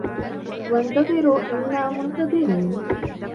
وانتظروا إنا منتظرون